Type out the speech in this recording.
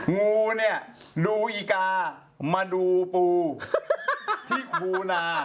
งูเนี่ยดูอีกามาดูปูที่คูนา